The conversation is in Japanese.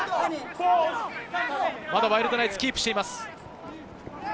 またワイルドナイツ、キープしています。